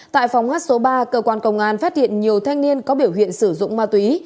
tại phòng hát số ba cơ quan công an phát hiện nhiều thanh niên có biểu hiện sử dụng ma túy